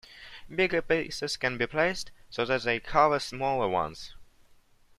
Bigger pieces can be placed so that they cover smaller ones.